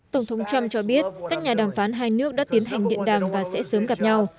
tổng thống trump cho biết các nhà đàm phán hai nước đã tiến hành điện đàm và sẽ sớm gặp nhau